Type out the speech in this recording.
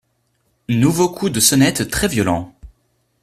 Nouveau coup de sonnette très violent.